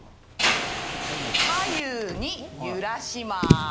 左右に揺らします。